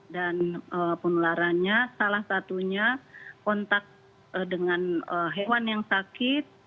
dan penularannya salah satunya kontak dengan hewan yang sakit